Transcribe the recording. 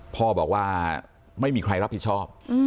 พ่อบอกว่าไม่มีใครรับผิดชอบ